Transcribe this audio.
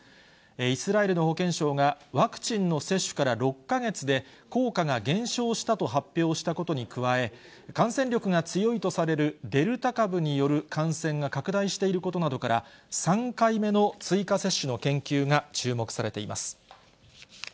イスラエルの保健省がワクチンの接種から６か月で、効果が減少したと発表したことに加え、感染力が強いとされるデルタ株による感染が拡大していることなどから、３回目の追加接種の研究が注目されています。